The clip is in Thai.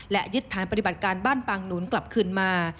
และยึดฐานปฏิบัติการบ้านปางหนุนกลับคืนมา